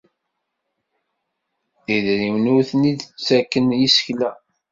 Idrimen ur ten-id-ttakfen yisekla.